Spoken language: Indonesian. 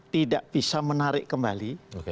tidak bisa menarik kembali